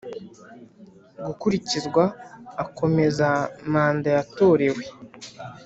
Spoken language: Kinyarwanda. Gukurikizwa akomeza manda yatorewe.